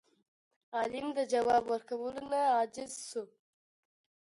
عالم د ځواب ورکولو نه عاجز شو.